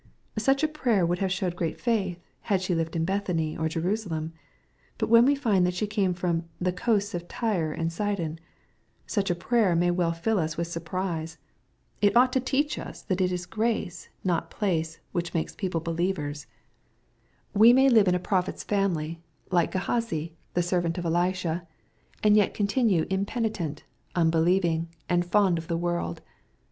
Such a prayer would have showed great faith, had she lived in Bethany, or Jerusalem. But when we find that she came from the " coasts of Tyre and Sidon,'' such a prayer may well till ns with surprise. It ought to teach us, that it is 180 EXPOSITOBT THOUGHTS. grace, not place, which makes people belieirers. We may live in a prophet's family, like Gkhazi, the servant of Elisha, and yet continue impenitent, unbelieving, and fond of the world.